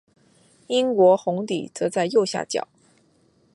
英国红底则在右下角。